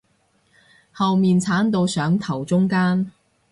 後面剷到上頭中間